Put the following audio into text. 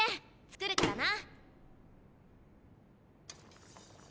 作るからな。